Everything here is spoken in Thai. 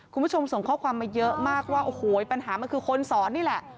คุณผู้ชมส่งข้อความมาเยอะมากว่าโอ้โหปัญหามันคือคนสอนนี่แหละ